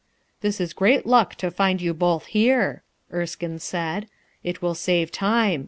"This is great luck to find you both here," Erskine said. "It will save time.